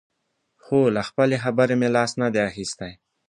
خو له خپلې خبرې مې لاس نه دی اخیستی.